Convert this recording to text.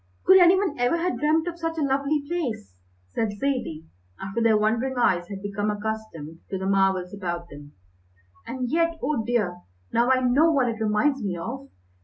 "Could any one ever have dreamt of such a lovely place?" said Zaidie, after their wondering eyes had become accustomed to the marvels about them, "and yet oh dear, now I know what it reminds me of!